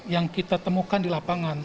yang kita temukan di lapangan